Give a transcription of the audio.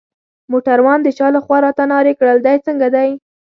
موټروان د شا لخوا راته نارې کړل: دی څنګه دی؟